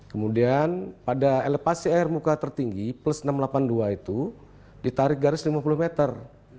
kemudian pada elepasi air muka tertinggi plus enam ratus delapan puluh dua itu ditarik garis lima puluh meter